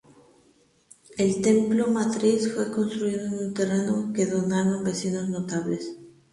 El templo Matriz, fue construido en un terreno que donaron vecinos notables.